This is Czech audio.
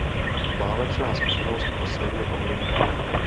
Válečná zkušenost ho silně ovlivnila.